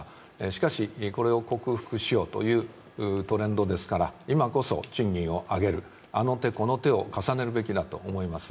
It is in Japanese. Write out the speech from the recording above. しかし、これを克服しようというトレンドですから今こそ賃金を上げる、あの手この手を重ねるべきだと思います。